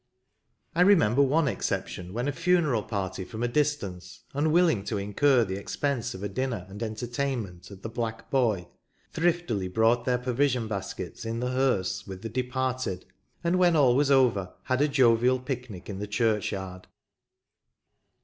I remember one exception, when a funeral party from a distance, un willing to incur the expense of a dinner and entertainment at the '' Black Boy," thriftily brought their provision baskets in the hearse with the departed, and when all was over had a jovial picnic in the churchyard.